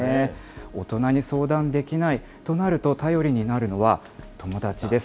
大人に相談できないとなると頼りになるのは、友達です。